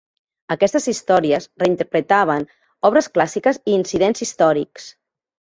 Aquestes històries reinterpretaven obres clàssiques i incidents històrics.